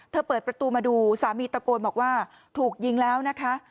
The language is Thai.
เปิดประตูมาดูสามีตะโกนบอกว่าถูกยิงแล้วนะคะ